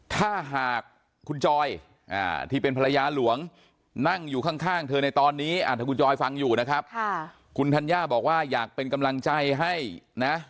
ถ้าหากคุณจอยที่เป็นภรรยาหลวงนั่งอยู่ข้างเธอในตอนนี้ถ้าคุณจอยฟังอยู่นะครับคุณธัญญาบอกว่าอยากเป็นกำลังใจให้นะ